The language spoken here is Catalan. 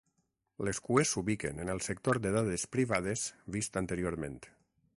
Les cues s'ubiquen en el sector de dades privades vist anteriorment.